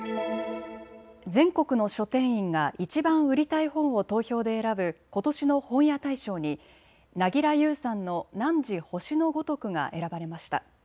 全国の書店員がいちばん売りたい本を投票で選ぶことしの本屋大賞に凪良ゆうさんの汝、星のごとくが選ばれました。